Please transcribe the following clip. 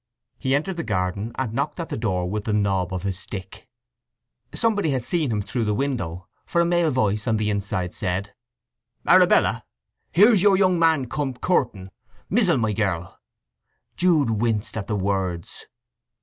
He entered the garden, and knocked at the door with the knob of his stick. Somebody had seen him through the window, for a male voice on the inside said: "Arabella! Here's your young man come coorting! Mizzle, my girl!" Jude winced at the words.